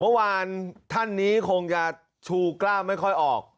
เมื่อวานท่านนี้คงจะชูกล้ามไม่ค่อยออก